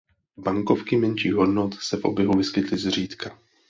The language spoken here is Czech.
Bankovky menších hodnot se v oběhu vyskytly zřídka.